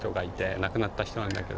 亡くなった人なんだけど。